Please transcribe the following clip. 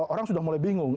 orang sudah mulai bingung